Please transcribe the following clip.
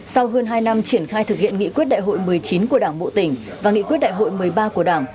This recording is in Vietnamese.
sau hơn hai năm triển khai thực hiện nghị quyết đại hội một mươi chín của đảng bộ tỉnh và nghị quyết đại hội một mươi ba của đảng